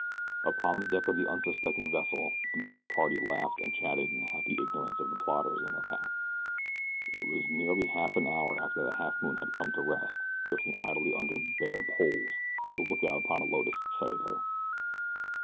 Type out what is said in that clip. Upon the deck of the unsuspecting vessel a merry party laughed and chatted in happy ignorance of the plotters in their path. It was nearly half an hour after the Halfmoon had come to rest, drifting idly under bare poles, that the lookout upon the Lotus sighted her.